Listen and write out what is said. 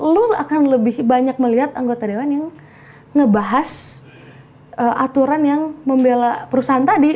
lu akan lebih banyak melihat anggota dewan yang ngebahas aturan yang membela perusahaan tadi